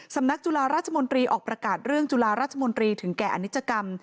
สำนักจุฬาราชมนตรีออกประกาศเรื่องจุฬาราชมนตรีถึงแก่อนิจกรรม